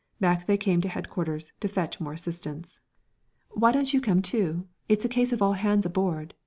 Back they came to Headquarters to fetch more assistance. "Why don't you come too? It's a case of all hands aboard!"